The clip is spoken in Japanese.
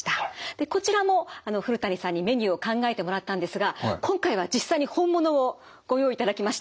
でこちらも古谷さんにメニューを考えてもらったんですが今回は実際に本物をご用意いただきました。